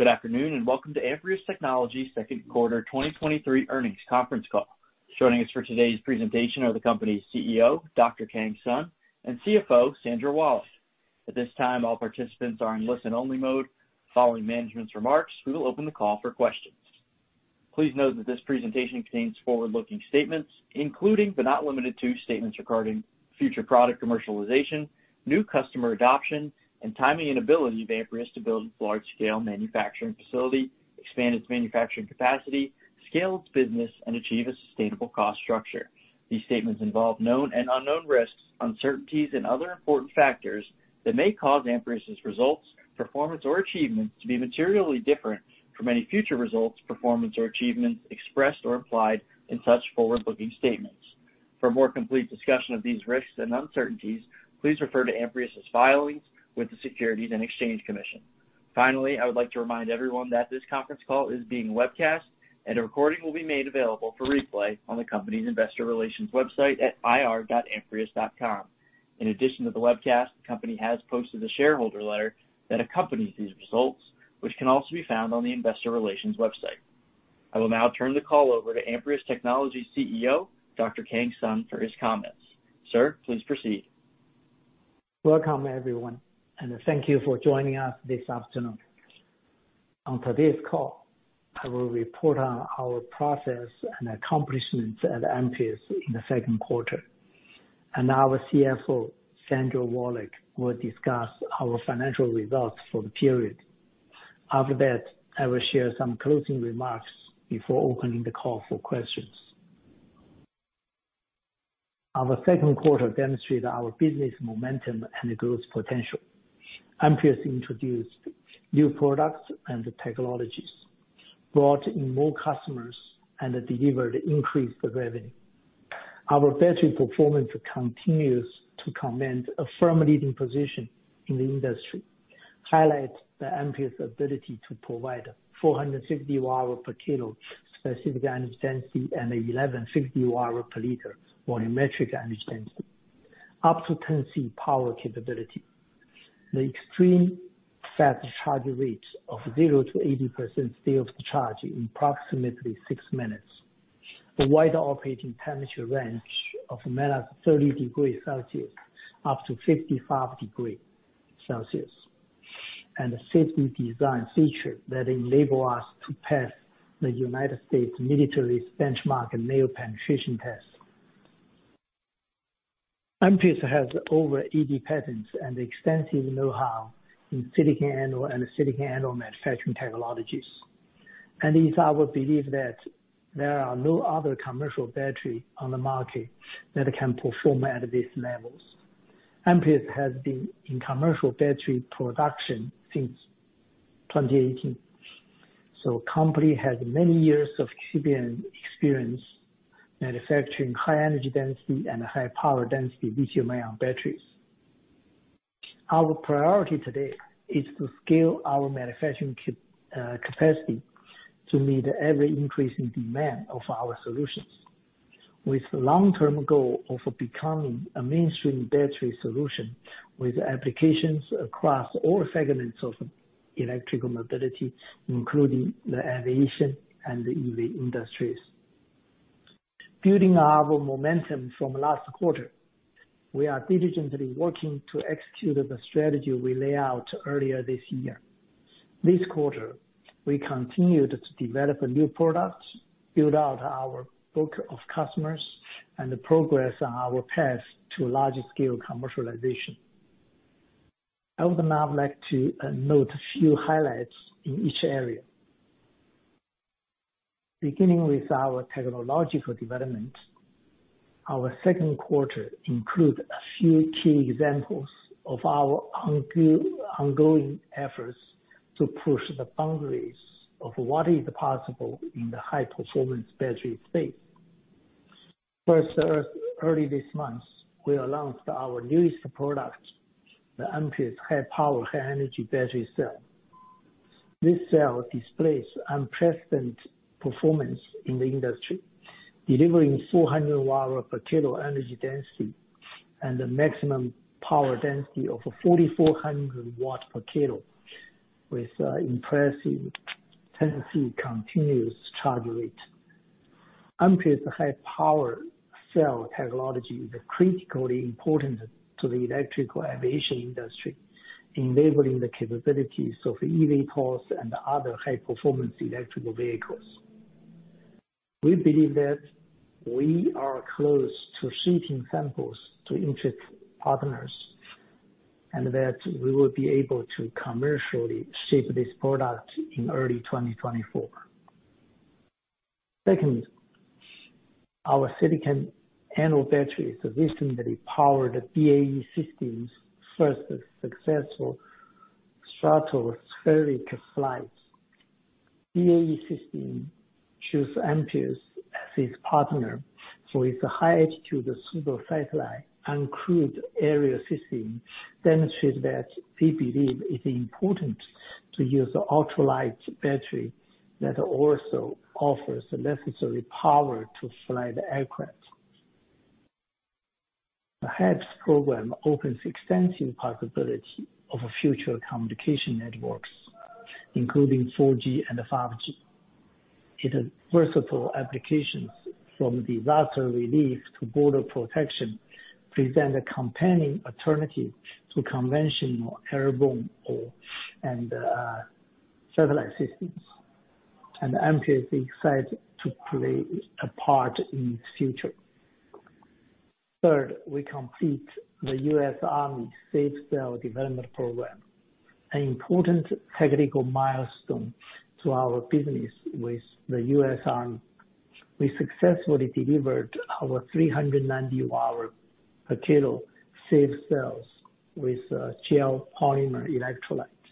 Welcome to Amprius Technologies second quarter 2023 earnings conference call. Joining us for today's presentation are the company's CEO, Dr. Kang Sun, and CFO, Sandra Wallach. At this time, all participants are in listen-only mode. Following management's remarks, we will open the call for questions. Please note that this presentation contains forward-looking statements, including, but not limited to, statements regarding future product commercialization, new customer adoption, and timing and ability of Amprius to build large-scale manufacturing facility, expand its manufacturing capacity, scale its business, and achieve a sustainable cost structure. These statements involve known and unknown risks, uncertainties, and other important factors that may cause Amprius' results, performance, or achievements to be materially different from any future results, performance, or achievements expressed or implied in such forward-looking statements. For a more complete discussion of these risks and uncertainties, please refer to Amprius' filings with the Securities and Exchange Commission. Finally, I would like to remind everyone that this conference call is being webcast, and a recording will be made available for replay on the company's investor relations website at ir.amprius.com. In addition to the webcast, the company has posted a shareholder letter that accompanies these results, which can also be found on the investor relations website. I will now turn the call over to Amprius Technologies' CEO, Dr. Kang Sun, for his comments. Sir, please proceed. Welcome, everyone, and thank you for joining us this afternoon. On today's call, I will report on our progress and accomplishments at Amprius in the second quarter, and our CFO, Sandra Wallach, will discuss our financial results for the period. After that, I will share some closing remarks before opening the call for questions. Our second quarter demonstrated our business momentum and growth potential. Amprius introduced new products and technologies, brought in more customers, and delivered increased revenue. Our battery performance continues to command a firm leading position in the industry, highlights the Amprius ability to provide 460 Wh/kg specific energy density and 1,160 Wh/L volumetric energy density, up to 10C power capability. The extreme fast charge rates of 0% to 80% state of charge in approximately 6 minutes. A wider operating temperature range of -30 degrees Celsius, up to 55 degrees Celsius, and a safety design feature that enable us to pass the United States military's benchmark nail penetration test. Amprius has over 80 patents and extensive know-how in silicon anode and silicon anode manufacturing technologies, and it is our belief that there are no other commercial battery on the market that can perform at these levels. Amprius has been in commercial battery production since 2018, company has many years of shipping experience manufacturing high-energy density and high power density lithium-ion batteries. Our priority today is to scale our manufacturing capacity to meet the ever-increasing demand of our solutions, with the long-term goal of becoming a mainstream battery solution, with applications across all segments of electrical mobility, including the aviation and the EV industries. Building our momentum from last quarter, we are diligently working to execute the strategy we laid out earlier this year. This quarter, we continued to develop new products, build out our book of customers, and progress on our path to large-scale commercialization. I would now like to note a few highlights in each area. Beginning with our technological development, our second quarter include a few key examples of our ongoing efforts to push the boundaries of what is possible in the high-performance battery space. First, early this month, we announced our newest product, the Amprius high-power, high-energy battery cell. This cell displays unprecedented performance in the industry, delivering 400 Wh/kg energy density and a maximum power density of 4,400 W/kg, with impressive 10C continuous charge rate. Amprius' high-power cell technology is critically important to the electrical aviation industry, enabling the capabilities of EV cars and other high-performance electrical vehicles. We believe that we are close to shipping samples to interest partners, and that we will be able to commercially ship this product in early 2024. Secondly, our silicon anode battery system that powered the BAE Systems' first successful stratospheric flights. BAE Systems chose Amprius as its partner for its HAPS, uncrewed aerial system, demonstrates that we believe it's important to use an ultralight battery that also offers the necessary power to fly the aircraft. The HAPS program opens extensive possibility of a future communication networks, including 4G and 5G. It is versatile applications from disaster relief to border protection, present a compelling alternative to conventional airborne or, and, satellite systems, and Amprius is excited to play a part in its future. Third, we complete the US Army safe cell development program, an important technical milestone to our business with the US Army. We successfully delivered over 390 Wh/kg safe cells with a gel polymer electrolyte,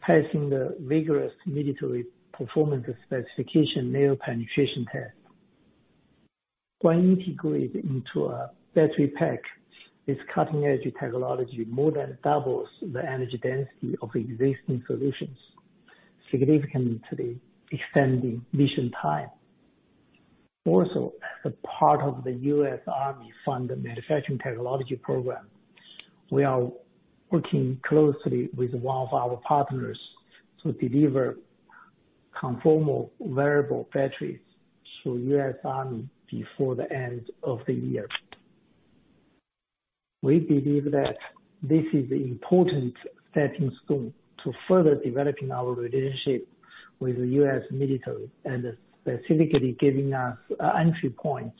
passing the rigorous military performance specification Nail penetration test. When integrated into a battery pack, this cutting-edge technology more than doubles the energy density of existing solutions, significantly extending mission time. Also, as a part of the US Army Funded Manufacturing Technology Program, we are working closely with one of our partners to deliver conformal wearable batteries to US Army before the end of the year. We believe that this is an important step in school to further developing our relationship with the US military and specifically giving us entry points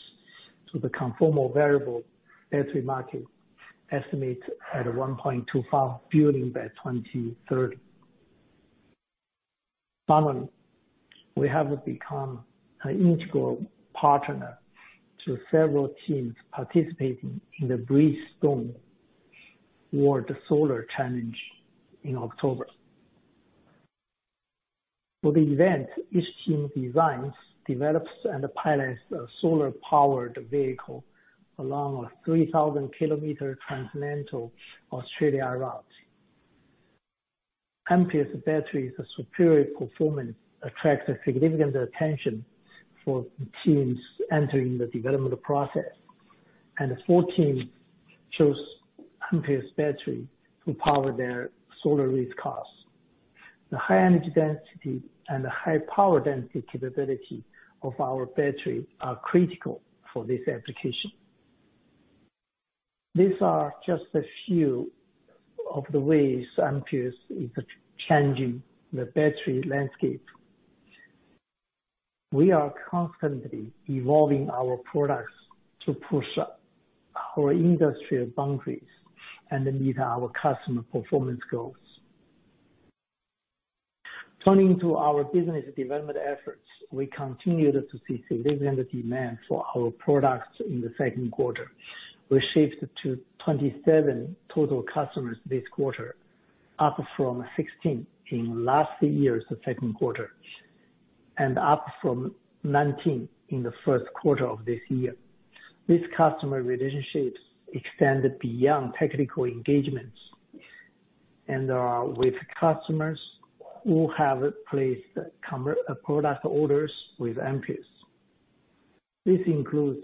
to the conformal wearable battery market, estimated at $1.25 billion by 2030. Finally, we have become an integral partner to several teams participating in the Bridgestone World Solar Challenge in October. For the event, each team designs, develops and pilots a solar-powered vehicle along a 3,000 kilometer transcontinental Australia route. Amprius batteries are superior performance attracts a significant attention for the teams entering the development process, and 4 teams chose Amprius battery to power their solar race cars. The high energy density and the high power density capability of our battery are critical for this application. These are just a few of the ways Amprius is changing the battery landscape. We are constantly evolving our products to push our industrial boundaries and meet our customer performance goals. Turning to our business development efforts, we continued to see significant demand for our products in the second quarter. We shipped to 27 total customers this quarter, up from 16 in last year's second quarter, and up from 19 in the first quarter of this year. These customer relationships extended beyond technical engagements, and are with customers who have placed commer- product orders with Amprius. This includes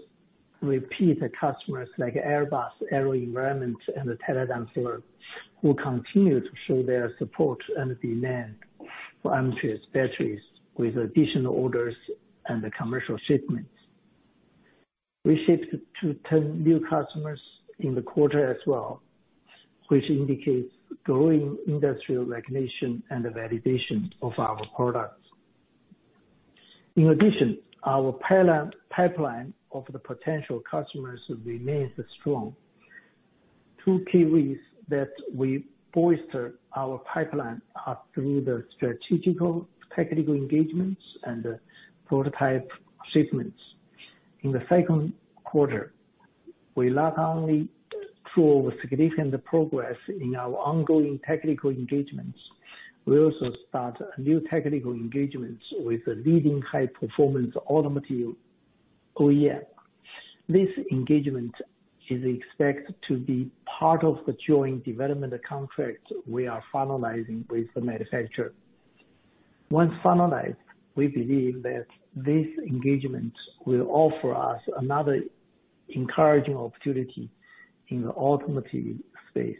repeat customers like Airbus, AeroVironment and Teledyne FLIR, who continue to show their support and demand for Amprius batteries with additional orders and commercial shipments. We shipped to 10 new customers in the quarter as well, which indicates growing industrial recognition and the validation of our products. In addition, our pilot pipeline of the potential customers remains strong. Two key ways that we bolster our pipeline are through the strategical technical engagements and prototype shipments. In the second quarter, we not only show significant progress in our ongoing technical engagements, we also start new technical engagements with the leading high-performance automotive OEM. This engagement is expected to be part of the joint development contract we are finalizing with the manufacturer. Once finalized, we believe that this engagement will offer us another encouraging opportunity in the automotive space.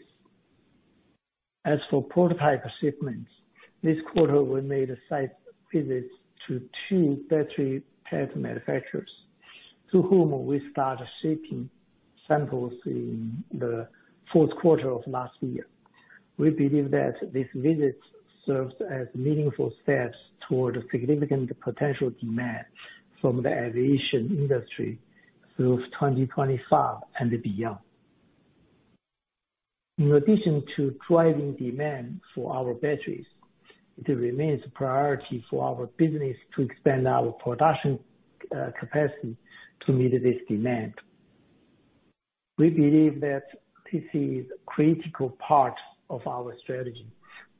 As for prototype shipments, this quarter we made a site visits to two battery pack manufacturers, to whom we started shipping samples in the fourth quarter of last year. We believe that this visit serves as meaningful steps toward significant potential demand from the aviation industry through 2025 and beyond. In addition to driving demand for our batteries, it remains a priority for our business to expand our production capacity to meet this demand. We believe that this is a critical part of our strategy,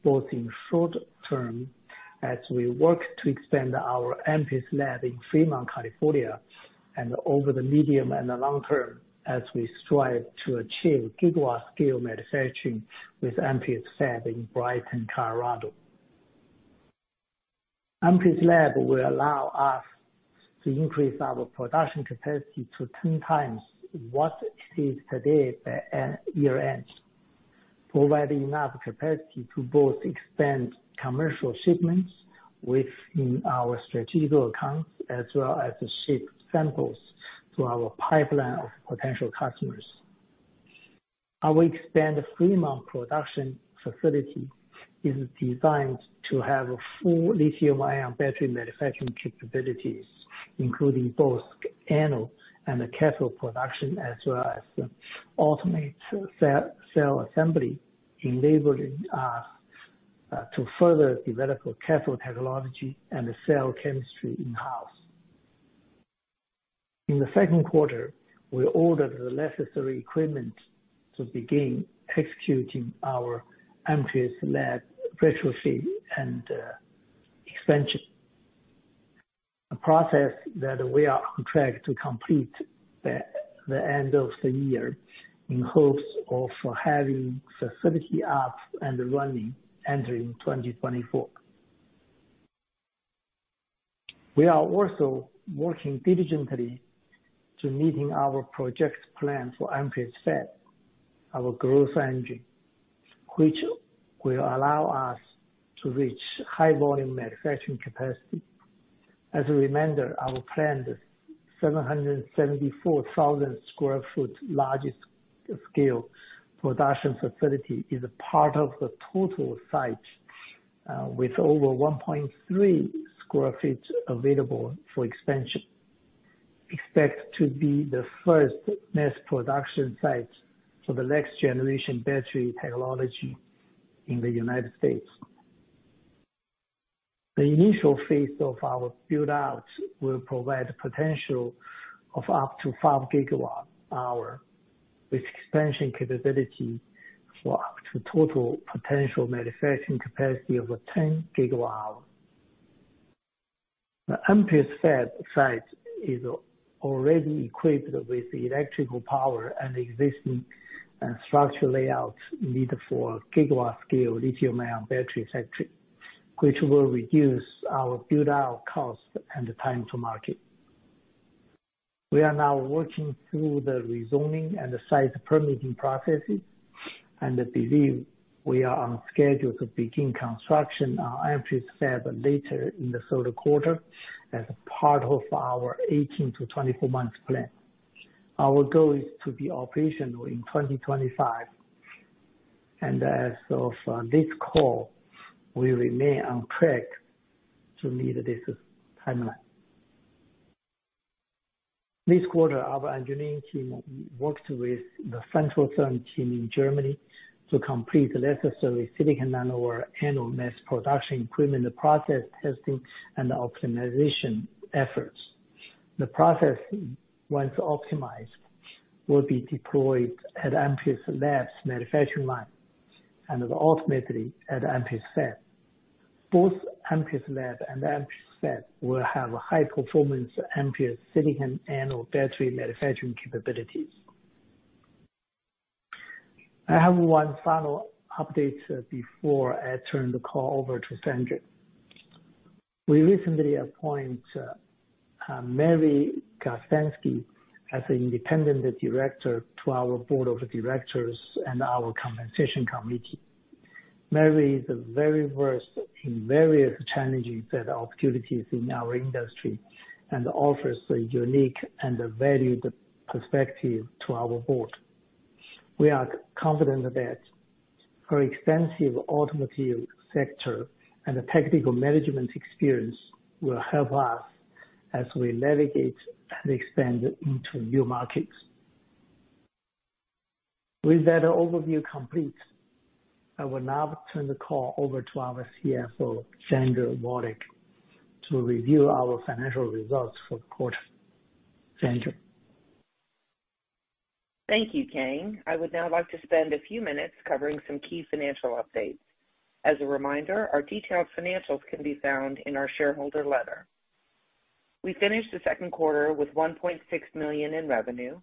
both in short term, as we work to expand our Amprius Lab in Fremont, California, and over the medium and the long term as we strive to achieve gigawatt-scale manufacturing with Amprius Fab in Brighton, Colorado. Amprius Lab will allow us to increase our production capacity to 10 times what it is today by year-end, providing enough capacity to both expand commercial shipments within our strategic accounts, as well as to ship samples to our pipeline of potential customers. Our expanded Fremont production facility is designed to have a full lithium-ion battery manufacturing capabilities, including both anode and the cathode production, as well as the ultimate cell, cell assembly, enabling us to further develop our cathode technology and the cell chemistry in-house. In the second quarter, we ordered the necessary equipment to begin executing our Amprius Lab retrofit and expansion. A process that we are on track to complete by the end of the year, in hopes of having facility up and running entering 2024. We are also working diligently to meeting our project plan for Amprius Fab, our growth engine, which will allow us to reach high volume manufacturing capacity. As a reminder, our planned 774,000 sq ft large-scale production facility is a part of the total site with over 1.3 sq ft available for expansion. Expect to be the first mass production site for the next generation battery technology in the United States. The initial phase of our build out will provide potential of up to 5 GWh, with expansion capability for up to total potential manufacturing capacity of 10 GWh. The Amprius Fab site is already equipped with electrical power and existing structural layouts needed for GWh scale lithium-ion battery factory, which will reduce our build out cost and time to market. We are now working through the rezoning and the site permitting processes, and believe we are on schedule to begin construction on Amprius Fab later in the third quarter as a part of our 18-24 months plan. Our goal is to be operational in 2025, and as of this call, we remain on track to meet this timeline. This quarter, our engineering team worked with the Centrotherm in Germany to complete the necessary silicon nano anode mass production equipment, process testing, and optimization efforts. The process, once optimized, will be deployed at Amprius Lab's manufacturing line and ultimately at Amprius Fab. Both Amprius Lab and Amprius Fab will have high performance Amprius silicon anode battery manufacturing capabilities. I have one final update before I turn the call over to Sandra. We recently appoint Mary Gustanski as an independent director to our board of directors and our Compensation Committee. Mary is very versed in various challenges and opportunities in our industry, and offers a unique and a valued perspective to our board. We are confident that her extensive automotive sector and technical management experience will help us as we navigate and expand into new markets. With that overview complete, I will now turn the call over to our CFO, Sandra Wallach, to review our financial results for the quarter. Sandra? Thank you, Kang. I would now like to spend a few minutes covering some key financial updates. As a reminder, our detailed financials can be found in our shareholder letter. We finished the second quarter with $1.6 million in revenue,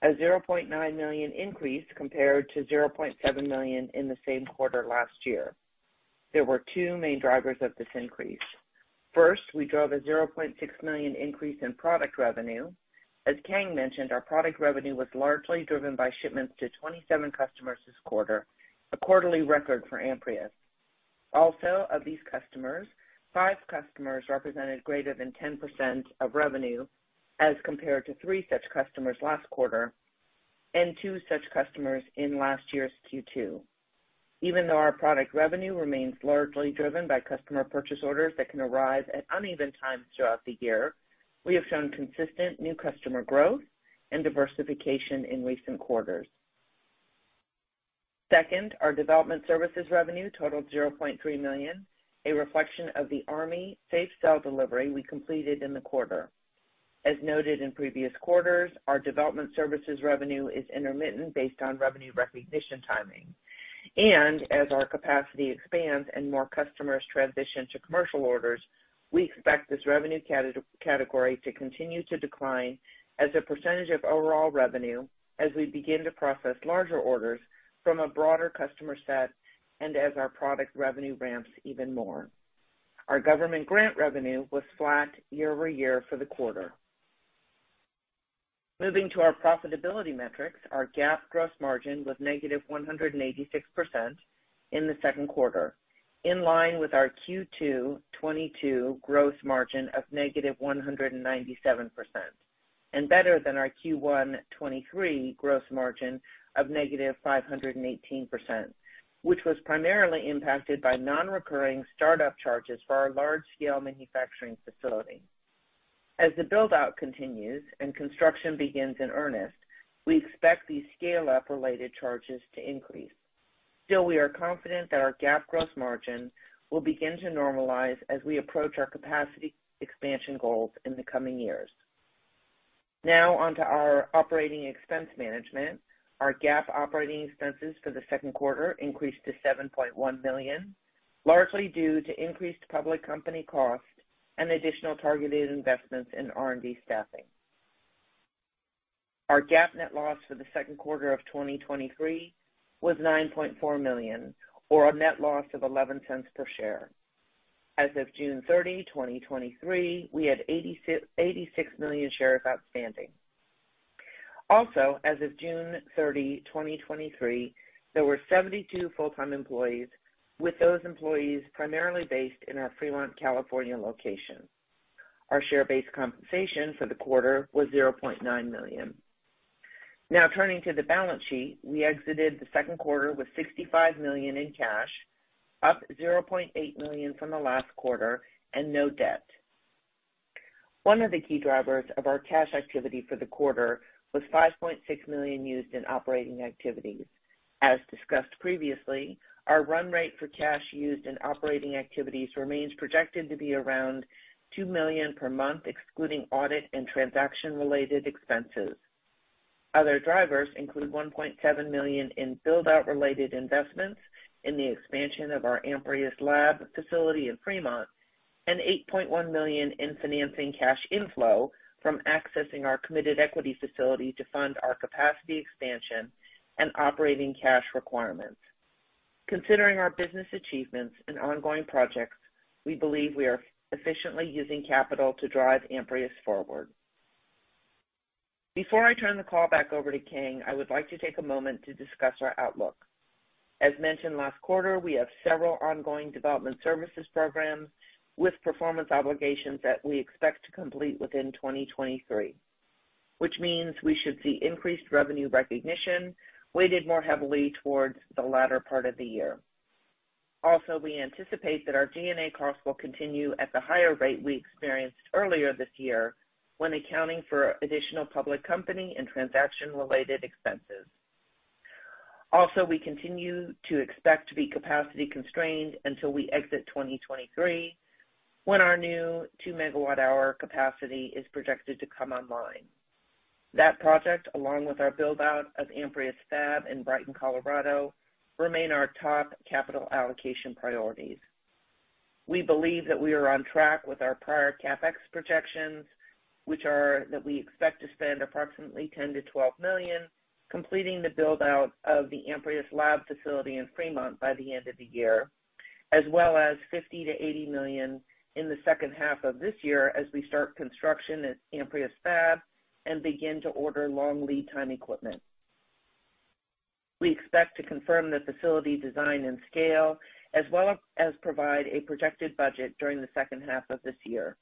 a $0.9 million increase compared to $0.7 million in the same quarter last year. There were two main drivers of this increase. First, we drove a $0.6 million increase in product revenue. As Kang mentioned, our product revenue was largely driven by shipments to 27 customers this quarter, a quarterly record for Amprius. Also, of these customers, five customers represented greater than 10% of revenue, as compared to three such customers last quarter, and two such customers in last year's Q2. Even though our product revenue remains largely driven by customer purchase orders that can arrive at uneven times throughout the year, we have shown consistent new customer growth and diversification in recent quarters. Second, our development services revenue totaled $0.3 million, a reflection of the US Army safe cell delivery we completed in the quarter. As noted in previous quarters, our development services revenue is intermittent based on revenue recognition timing. As our capacity expands and more customers transition to commercial orders, we expect this revenue category to continue to decline as a percentage of overall revenue as we begin to process larger orders from a broader customer set, and as our product revenue ramps even more. Our government grant revenue was flat year-over-year for the quarter. Moving to our profitability metrics, our GAAP gross margin was negative 186% in the second quarter, in line with our Q2 '22 gross margin of negative 197%, and better than our Q1 '23 gross margin of negative 518%, which was primarily impacted by non-recurring startup charges for our large-scale manufacturing facility. As the build-out continues and construction begins in earnest, we expect these scale-up related charges to increase. Still, we are confident that our GAAP gross margin will begin to normalize as we approach our capacity expansion goals in the coming years. Now on to our operating expense management. Our GAAP operating expenses for the second quarter increased to $7.1 million, largely due to increased public company costs and additional targeted investments in R&D staffing. Our GAAP net loss for the second quarter of 2023 was $9.4 million, or a net loss of $0.11 per share. As of June 30, 2023, we had 86 million shares outstanding. Also, as of June 30, 2023, there were 72 full-time employees, with those employees primarily based in our Fremont, California, location. Our share-based compensation for the quarter was $0.9 million. Now, turning to the balance sheet, we exited the second quarter with $65 million in cash, up $0.8 million from the last quarter, and no debt. One of the key drivers of our cash activity for the quarter was $5.6 million used in operating activities. As discussed previously, our run rate for cash used in operating activities remains projected to be around $2 million per month, excluding audit and transaction-related expenses. Other drivers include $1.7 million in build-out related investments in the expansion of our Amprius Lab facility in Fremont, and $8.1 million in financing cash inflow from accessing our Committed Equity Facility to fund our capacity expansion and operating cash requirements. Considering our business achievements and ongoing projects, we believe we are efficiently using capital to drive Amprius forward. Before I turn the call back over to Kang, I would like to take a moment to discuss our outlook. As mentioned last quarter, we have several ongoing development services programs with performance obligations that we expect to complete within 2023, which means we should see increased revenue recognition weighted more heavily towards the latter part of the year. Also, we anticipate that our G&A costs will continue at the higher rate we experienced earlier this year when accounting for additional public company and transaction-related expenses. We continue to expect to be capacity constrained until we exit 2023, when our new 2 MWh capacity is projected to come online. That project, along with our build-out of Amprius Fab in Brighton, Colorado, remain our top capital allocation priorities. We believe that we are on track with our prior CapEx projections, which are that we expect to spend approximately $10 million-$12 million, completing the build-out of the Amprius Lab facility in Fremont by the end of the year, as well as $50 million-$80 million in the second half of this year as we start construction at Amprius Fab and begin to order long lead time equipment. We expect to confirm the facility design and scale, as well as provide a projected budget during the second half of this year.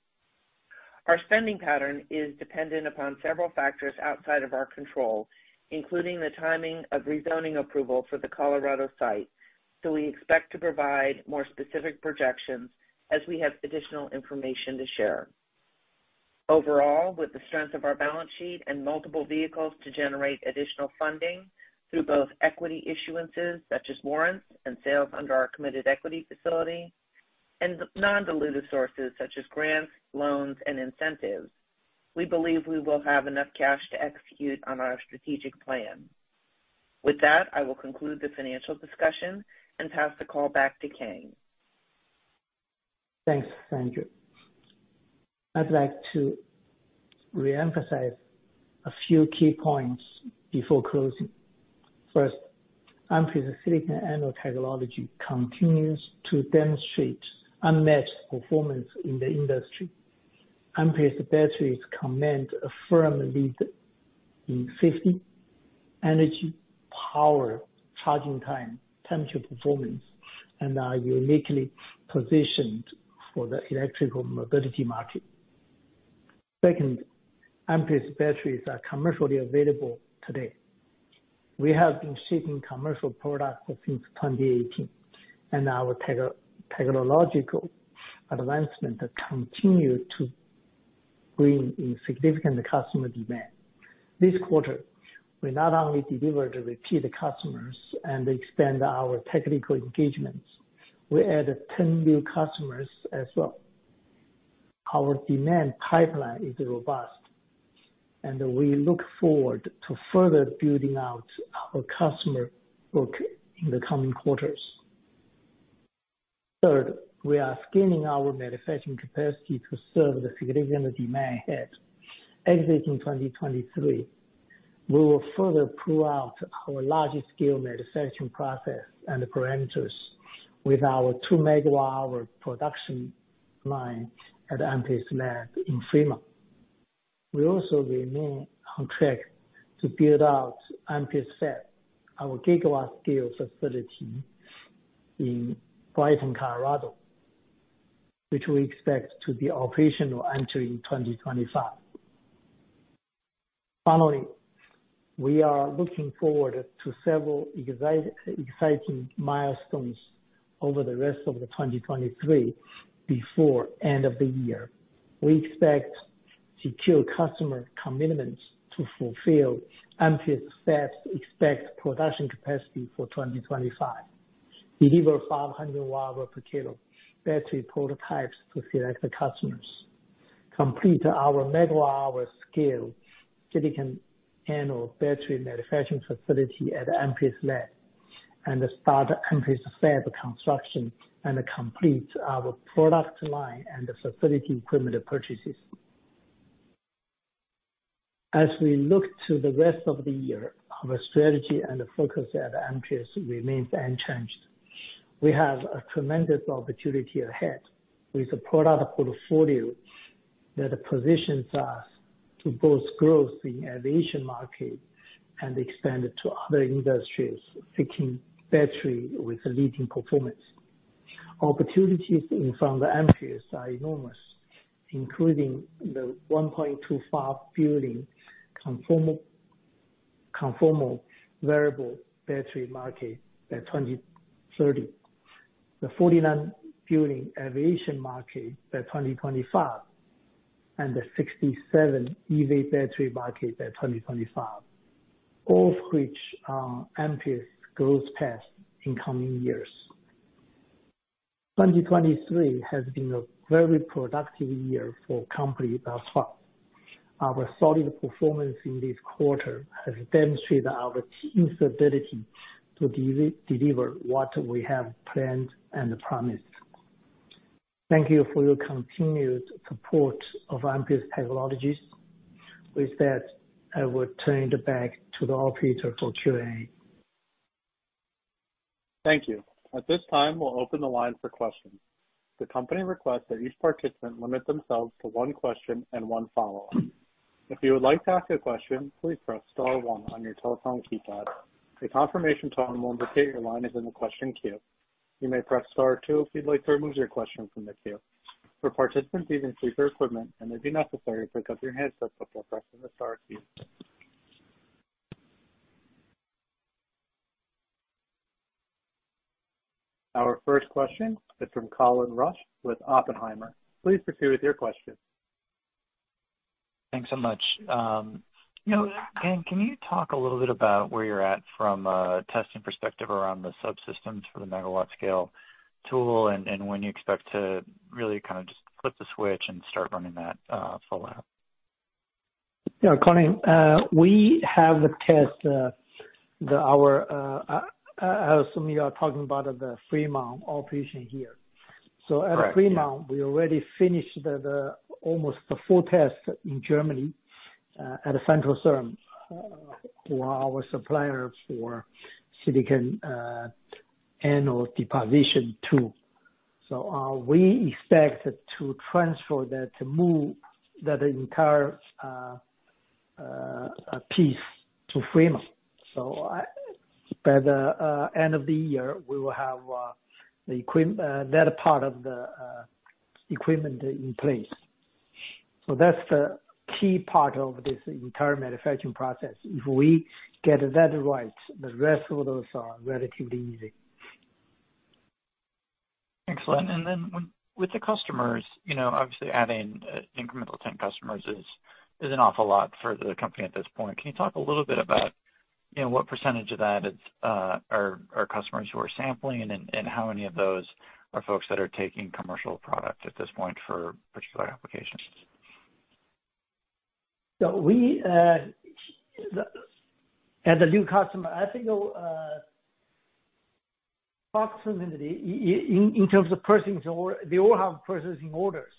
Our spending pattern is dependent upon several factors outside of our control, including the timing of rezoning approval for the Colorado site. We expect to provide more specific projections as we have additional information to share. With the strength of our balance sheet and multiple vehicles to generate additional funding through both equity issuances, such as warrants and sales under our committed equity facility, and non-dilutive sources such as grants, loans, and incentives, we believe we will have enough cash to execute on our strategic plan. I will conclude the financial discussion and pass the call back to Kang. Thanks, Sandra. I'd like to reemphasize a few key points before closing. First, Amprius silicon anode technology continues to demonstrate unmatched performance in the industry. Amprius batteries command a firm lead in safety, energy, power, charging time, temperature performance, and are uniquely positioned for the electrical mobility market. Second, Amprius batteries are commercially available today. We have been shipping commercial products since 2018, and our technological advancement continue to bring in significant customer demand. This quarter, we not only delivered to repeat customers and expand our technical engagements, we added 10 new customers as well. Our demand pipeline is robust, and we look forward to further building out our customer book in the coming quarters. Third, we are scaling our manufacturing capacity to serve the significant demand ahead. Exiting 2023,... We will further pull out our largest scale manufacturing process and parameters with our 2 MWh production line at Amprius Lab in Fremont. We also remain on track to build out Amprius Fab, our gigawatt scale facility in Brighton, Colorado, which we expect to be operational entering 2025. Finally, we are looking forward to several exciting milestones over the rest of the 2023, before end of the year. We expect to secure customer commitments to fulfill Amprius Fab's expect production capacity for 2025, deliver 500 Wh/kg battery prototypes to select the customers, complete our MWh scale silicon anode battery manufacturing facility at Amprius Lab, and start Amprius Fab construction and complete our product line and the facility equipment purchases. As we look to the rest of the year, our strategy and focus at Amprius remains unchanged. We have a tremendous opportunity ahead with a product portfolio that positions us to both growth in aviation market and expand it to other industries, seeking battery with leading performance. Opportunities in front of Amprius are enormous, including the $1.25 billion conformal wearable battery market by 2030, the $49 billion aviation market by 2025, and the $67 billion EV battery market by 2025, all of which are Amprius growth path in coming years. 2023 has been a very productive year for company thus far. Our solid performance in this quarter has demonstrated our team's ability to deliver what we have planned and promised. Thank you for your continued support of Amprius Technologies. I will turn it back to the operator for Q&A. Thank you. At this time, we'll open the line for questions. The company requests that each participant limit themselves to one question and one follow-up. If you would like to ask a question, please press star one on your telephone keypad. A confirmation tone will indicate your line is in the question queue. You may press star two if you'd like to remove your question from the queue. For participants using speaker equipment, it may be necessary to pick up your headset before pressing the star key. Our first question is from Colin Rusch with Oppenheimer. Please proceed with your question. Thanks so much. You know, can, can you talk a little bit about where you're at from a testing perspective around the subsystems for the megawatt scale tool, and, and when you expect to really kind of just flip the switch and start running that, full out? Yeah, Colin, we have a test. I assume you are talking about the Fremont operation here. Correct, yeah. At Fremont, we already finished the, almost the full test in Germany, at Centrotherm, who are our supplier for silicon anode deposition tool. We expect to transfer that move, that entire piece to Fremont. By the end of the year, we will have the equipment that part of the equipment in place. That's the key part of this entire manufacturing process. If we get that right, the rest of those are relatively easy. Excellent. Then with the customers, you know, obviously adding, incremental 10 customers is, is an awful lot for the company at this point. Can you talk a little bit about, you know, what percentage of that is, are, are customers who are sampling, and, and how many of those are folks that are taking commercial product at this point for particular applications? We, as a new customer, I think, approximately in terms of purchasing order, they all have purchasing orders,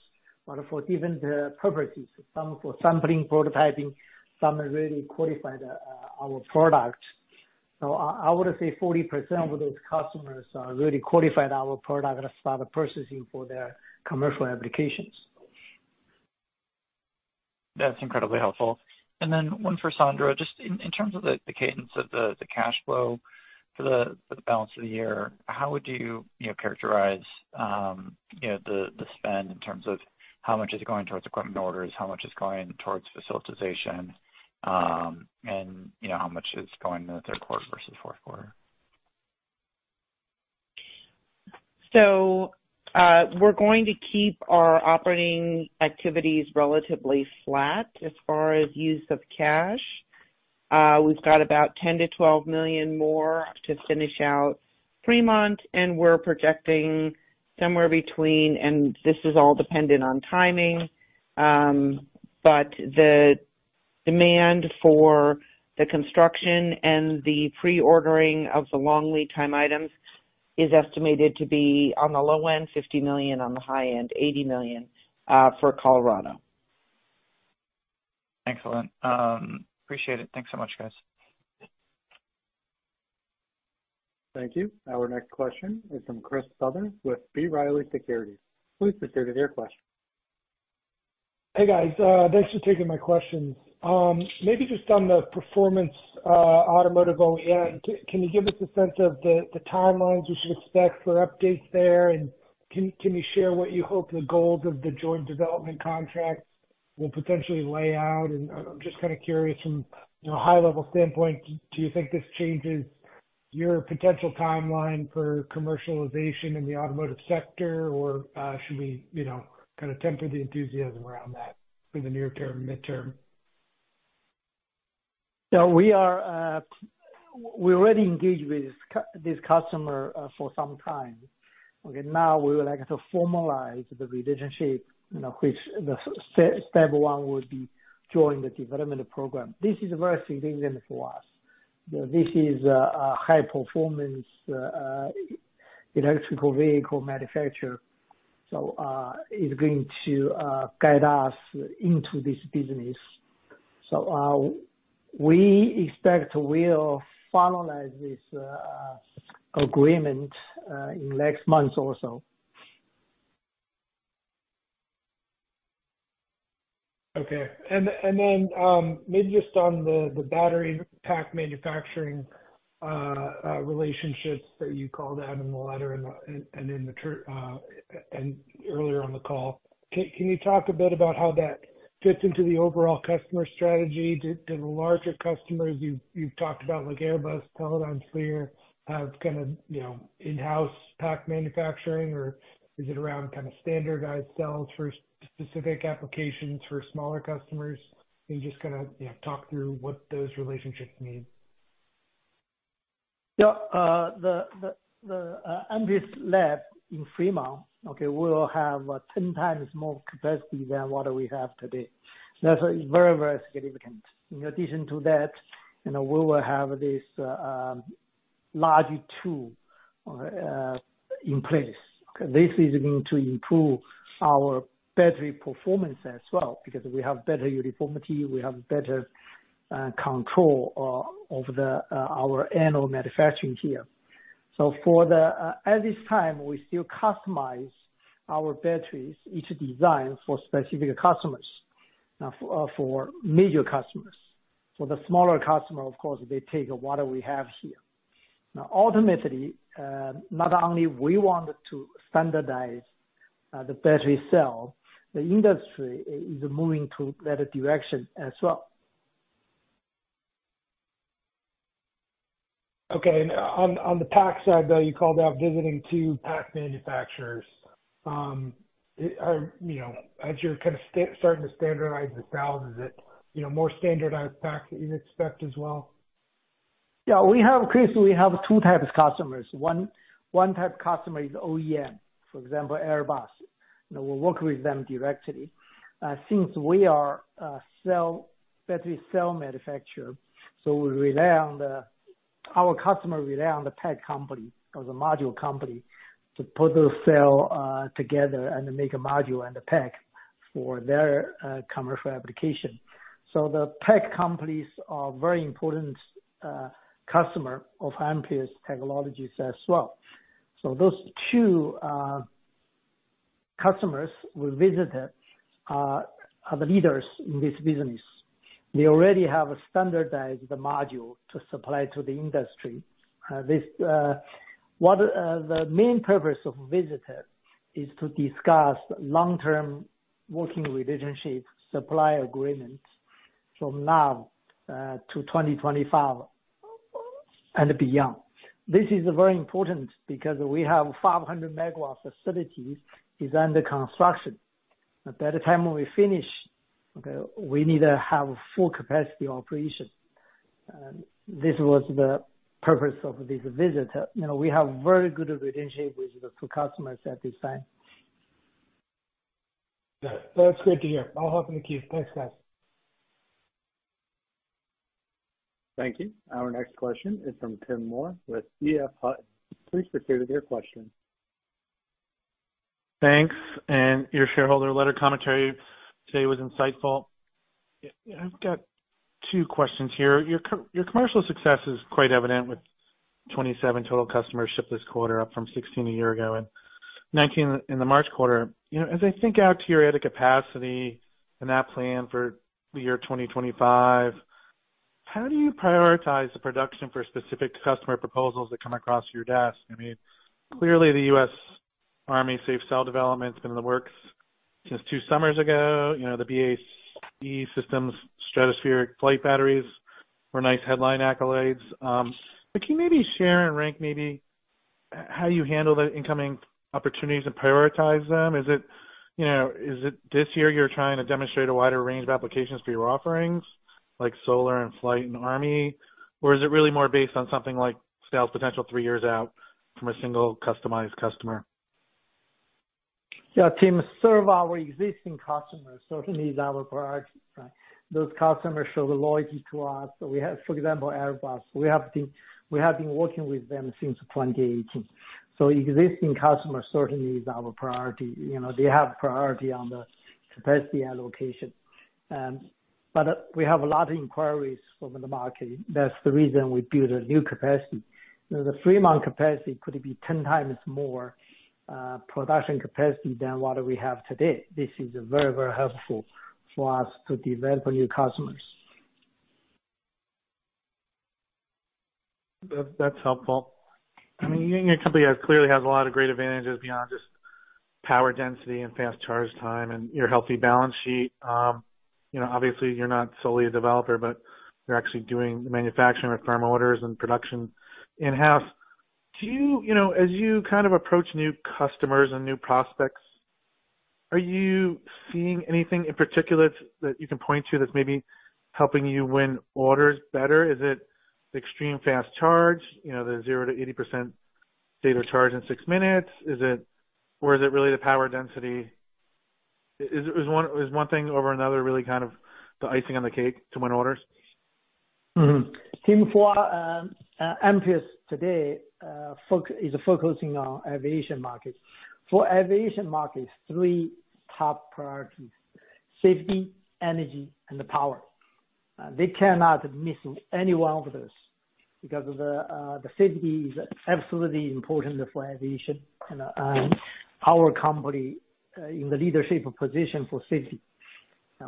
but for different purposes. Some for sampling, prototyping, some are really qualified our product. I would say 40% of those customers are really qualified our product and start purchasing for their commercial applications. That's incredibly helpful. Then one for Sandra, just in, in terms of the, the cadence of the, the cash flow for the, for the balance of the year, how would you, you know, characterize, you know, the, the spend in terms of how much is going towards equipment orders, how much is going towards facilitization, and you know, how much is going in the third quarter versus fourth quarter? We're going to keep our operating activities relatively flat as far as use of cash. We've got about $10 million-$12 million more to finish out Fremont. This is all dependent on timing, but the demand for the construction and the pre-ordering of the long lead time items... ... is estimated to be on the low end, $50 million, on the high end, $80 million, for Colorado. Excellent. appreciate it. Thanks so much, guys. Thank you. Our next question is from Chris Souther with B. Riley Securities. Please proceed with your question. Hey, guys. Thanks for taking my questions. Maybe just on the performance, automotive OEM, can, can you give us a sense of the, the timelines we should expect for updates there? Can, can you share what you hope the goals of the joint development contract will potentially lay out? I'm, I'm just kind of curious from, you know, a high level standpoint, do, do you think this changes your potential timeline for commercialization in the automotive sector, or should we, you know, kind of temper the enthusiasm around that in the near term, midterm? We are, we already engaged with this customer for some time. Now we would like to formalize the relationship, you know, which the step one would be joining the development program. This is very significant for us. You know, this is, a high performance, electrical vehicle manufacturer, so, it's going to, guide us into this business. We expect we'll finalize this agreement in next month or so. Okay. And then, maybe just on the, the battery pack manufacturing, relationships that you called out in the letter and, and in the and earlier on the call. Can, can you talk a bit about how that fits into the overall customer strategy? Do, do the larger customers you've, you've talked about, like Airbus, Teledyne FLIR, and FLIR, have kind of, you know, in-house pack manufacturing, or is it around kind of standardized cells for specific applications for smaller customers? Can you just kind of, you know, talk through what those relationships mean? The Amprius Lab in Fremont, okay, will have 10 times more capacity than what we have today. That's very, very significant. In addition to that, you know, we will have this large tool in place. This is going to improve our battery performance as well, because we have better uniformity, we have better control over the our anode manufacturing tier. At this time, we still customize our batteries, each design for specific customers, for major customers. For the smaller customer, of course, they take what we have here. Ultimately, not only we want to standardize the battery cell, the industry is moving to that direction as well. Okay. on, on the pack side, though, you called out visiting 2 pack manufacturers. Are, you know, as you're kind of starting to standardize the cells, is it, you know, more standardized packs that you'd expect as well? Yeah, we have, Chris, we have two types of customers. One type of customer is OEM, for example, Airbus. You know, we work with them directly. Since we are a cell, battery cell manufacturer, so we rely on our customer rely on the pack company or the module company to put those cell together and make a module and a pack for their commercial application. The pack companies are very important customer of Amprius Technologies as well. Those two customers we visited are the leaders in this business. They already have a standardized module to supply to the industry. This one, the main purpose of visitor is to discuss long-term working relationship supply agreements from now to 2025 and beyond. This is very important because we have 500 MW facilities is under construction. By the time we finish, okay, we need to have full capacity operation. This was the purpose of this visit. You know, we have very good relationship with the two customers at this time. Good. That's great to hear. I'll hop in the queue. Thanks, guys. Thank you. Our next question is from Tim Moore with EF Hutton. Please proceed with your question. Thanks, and your commercial success is quite evident, with 27 total customers shipped this quarter, up from 16 a year ago, and 19 in the March quarter. You know, as I think out to your added capacity and that plan for 2025, how do you prioritize the production for specific customer proposals that come across your desk? I mean, clearly, the US Army safe cell development has been in the works since 2 summers ago. You know, the BAE Systems stratospheric flight batteries were nice headline accolades. But can you maybe share and rank maybe how you handle the incoming opportunities and prioritize them? Is it, you know, is it this year you're trying to demonstrate a wider range of applications for your offerings, like solar and flight and army? Is it really more based on something like sales potential three years out from a single customized customer? Yeah, Tim, serve our existing customers certainly is our priority, right? Those customers show the loyalty to us. We have, for example, Airbus. We have been, we have been working with them since 2018. Existing customers certainly is our priority. You know, they have priority on the capacity and location. We have a lot of inquiries from the market. That's the reason we build a new capacity. The Fremont capacity could be 10 times more production capacity than what we have today. This is very, very helpful for us to develop new customers. That, that's helpful. I mean, your company clearly has a lot of great advantages beyond just power density and fast charge time and your healthy balance sheet. You know, obviously you're not solely a developer, but you're actually doing manufacturing with firm orders and production in-house. Do you, you know, as you kind of approach new customers and new prospects, are you seeing anything in particular that you can point to that's maybe helping you win orders better? Is it extreme fast charge? You know, the 0% to 80% State of Charge in 6 minutes? Is it... Or is it really the power density? Is one thing over another, really kind of the icing on the cake to win orders? Tim, for Amprius today, is focusing on aviation markets. For aviation markets, three top priorities: safety, energy, and the power. They cannot miss any one of those, because the safety is absolutely important for aviation. Our company in the leadership position for safety.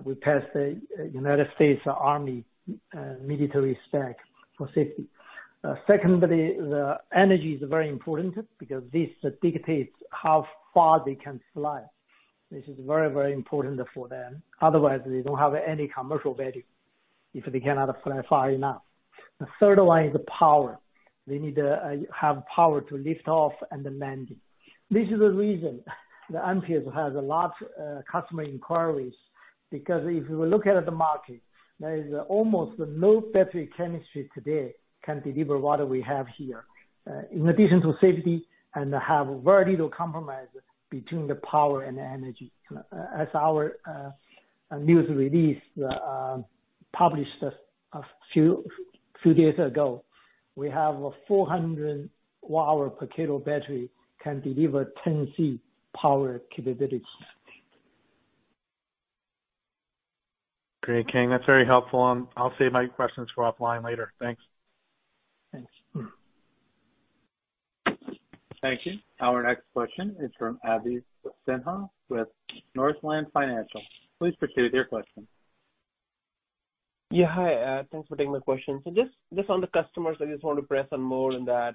We passed the United States Army military spec for safety. Secondly, the energy is very important because this dictates how far they can fly. This is very, very important for them. Otherwise, they don't have any commercial value if they cannot fly far enough. The third one is the power. They need have power to lift off and then landing. This is the reason that Amprius has a lot customer inquiries, because if you look at the market, there is almost no battery chemistry today can deliver what we have here. In addition to safety and have very little compromise between the power and the energy. As our news release published a few days ago, we have a 400 Wh/kg battery can deliver 10C power capabilities. Great, Kang. That's very helpful. I'll save my questions for offline later. Thanks. Thanks. Thank you. Our next question is from Abhi Sinha with Northland Capital Markets. Please proceed with your question. Yeah, hi, thanks for taking my question. Just, just on the customers, I just want to press on more on that.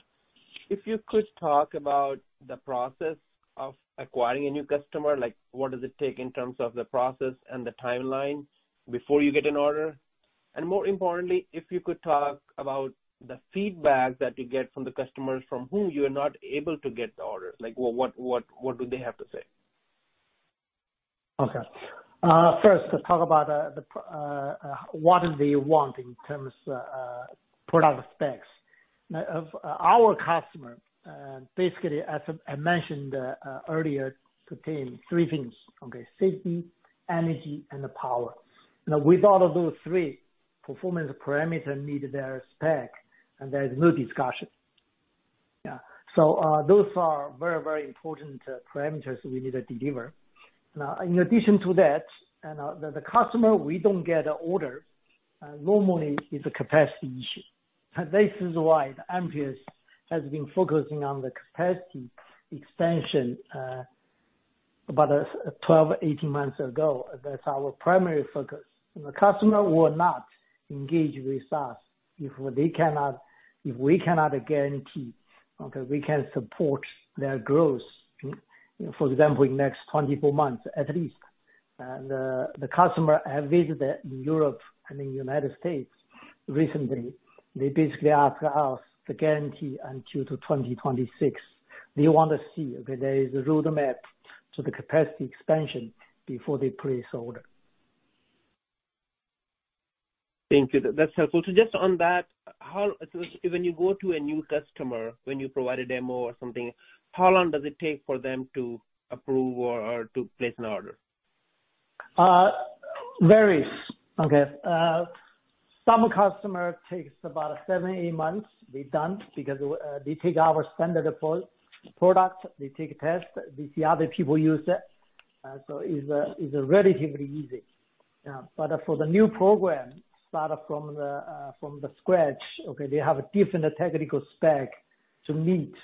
If you could talk about the process of acquiring a new customer, like, what does it take in terms of the process and the timeline before you get an order? More importantly, if you could talk about the feedback that you get from the customers from whom you are not able to get the orders, like, what do they have to say? Okay. First, let's talk about the what do they want in terms of product specs. Of our customer, basically, as I mentioned earlier, contain three things, okay? Safety, energy, and the power. Now, without those three, performance parameter meet their spec, and there is no discussion. Yeah. Those are very, very important parameters we need to deliver. Now, in addition to that, and the customer, we don't get an order. Normally it's a capacity issue. This is why the Amprius has been focusing on the capacity expansion, about 12-18 months ago. That's our primary focus. The customer will not engage with us if we cannot guarantee, okay, we can support their growth, for example, in the next 24 months at least. The customer I have visited in Europe and in United States recently, they basically ask us to guarantee until to 2026. They want to see, okay, there is a roadmap to the capacity expansion before they place order. Thank you. That's helpful. Just on that, how, so when you go to a new customer, when you provide a demo or something, how long does it take for them to approve or, or to place an order? Varies. Okay. Some customer takes about seven, eight months, be done, because they take our standard of pro-products, they take a test, they see other people use it. So it's, it's relatively easy. Yeah, for the new program, start from the, from the scratch, okay, they have a different technical spec to meet.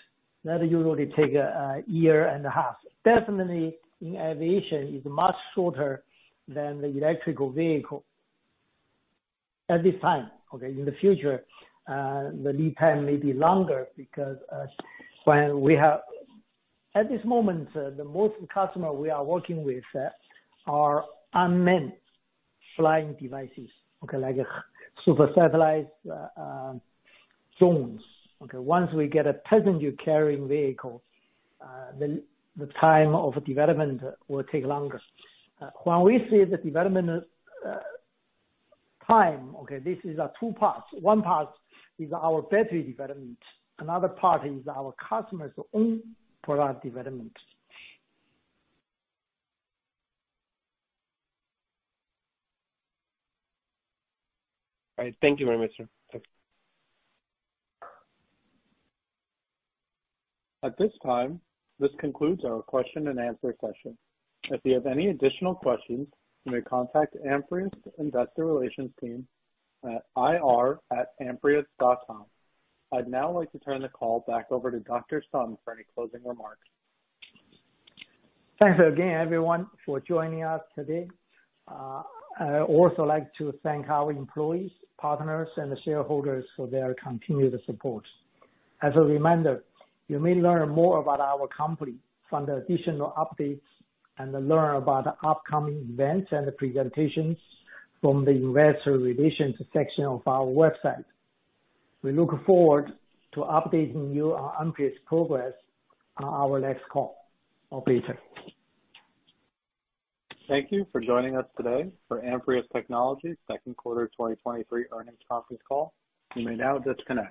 That usually take a year and a half. Definitely, in aviation, is much shorter than the electrical vehicle at this time, okay? In the future, the lead time may be longer because when we have... At this moment, the most customer we are working with, are unmanned flying devices, okay? Like super satellites, drones. Okay, once we get a passenger carrying vehicle, then the time of development will take longer. When we see the development, time, okay, this is two parts. One part is our battery development, another part is our customer's own product development. All right. Thank you very much, sir. At this time, this concludes our question and answer session. If you have any additional questions, you may contact Amprius Investor Relations team at ir@amprius.com. I'd now like to turn the call back over to Dr. Sun for any closing remarks. Thanks again, everyone, for joining us today. I'd also like to thank our employees, partners, and the shareholders for their continued support. As a reminder, you may learn more about our company from the additional updates and learn about upcoming events and presentations from the Investor Relations section of our website. We look forward to updating you on Amprius progress on our next call or beta. Thank you for joining us today for Amprius Technologies Second Quarter 2023 Earnings Conference Call. You may now disconnect.